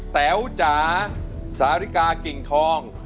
แต๋วจ๋าสาริกากิ่งทอง